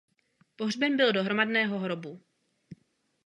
Pohřben byl do hromadného hrobu.